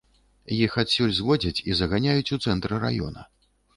Іх адусюль зводзяць і зганяюць у цэнтр раёна.